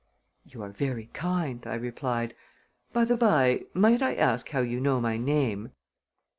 "You are very kind," I replied. "By the by, might I ask how you know my name?"